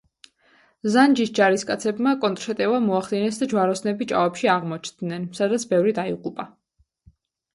ზანჯის ჯარისკაცებმა კონტრშეტევა მოახდინეს და ჯვაროსნები ჭაობში აღმოჩნდნენ, სადაც ბევრი დაიღუპა.